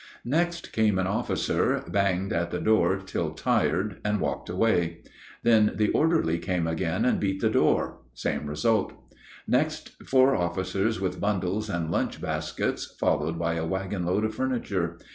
Next came an officer, banged at the door till tired, and walked away. Then the orderly came again and beat the door same result. Next, four officers with bundles and lunch baskets, followed by a wagon load of furniture.